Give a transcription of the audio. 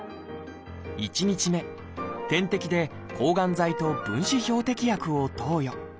１日目点滴で抗がん剤と分子標的薬を投与。